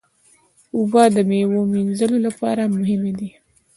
اوبه د میوې وینځلو لپاره مهمې دي.